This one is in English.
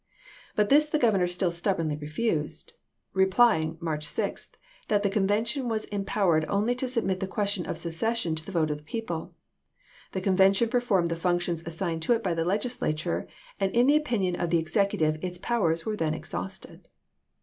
But this the Grovernor still stubbornly refused ; re plying (March 6) that " the convention was em powered only to submit the question of secession to the vote of the people. The convention per formed the functions assigned to it by the Legis lature, and in the opinion of the executive its powers were then exhausted."